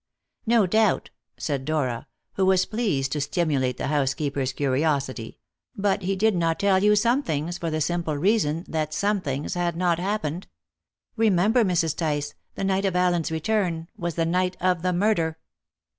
"No doubt," said Dora, who was pleased to stimulate the housekeeper's curiosity, "but he did not tell you some things, for the simple reason that 'some things' had not happened. Remember, Mrs. Tice, the night of Allen's return was the night of the murder."